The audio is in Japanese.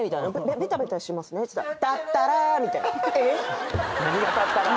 「べたべたしますね」っつったら。